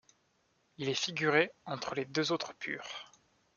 Il est figuré entre les deux autres Purs.